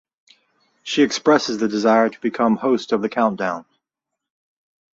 She expresses the desire to become host of the countdown.